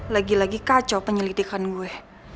lagi lagi kacau penyelidikan gue